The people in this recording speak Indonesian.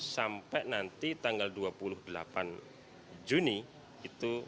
sampai nanti tanggal dua puluh delapan juni itu